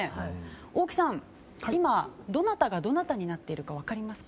大木さん、今、どなたがどなたになっているか分かりますか。